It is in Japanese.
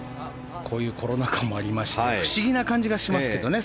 こういうコロナ禍もありまして不思議な感じがしますけどね。